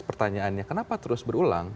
pertanyaannya kenapa terus berulang